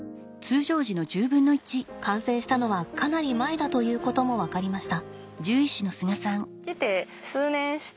感染したのはかなり前だということも分かりました。